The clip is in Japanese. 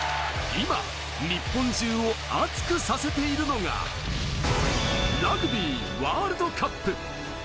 今、日本中を熱くさせているのが、ラグビーワールドカップ。